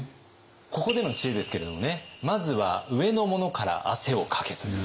ここでの知恵ですけれどもね「まずは上の者から汗をかけ！」という知恵。